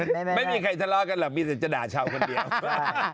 ไม่ไม่มีใครทะเลาะกันหรอกมีแต่จนจะด่าเช้าคนเดียว